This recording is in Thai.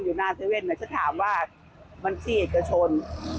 อยู่หน้าเซเว่นเดี๋ยวฉันถามว่ามันขี้จะชน